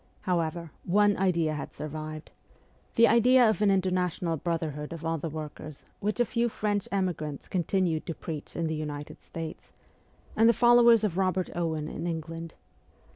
However, one idea had survived the idea of an international brotherhood of all the workers, which a few French emigrants continued to preach in the United States, and the followers of Kobert Owen in England.